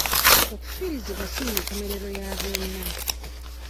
Okufiirizibwa si y'enkomerero ya byonna.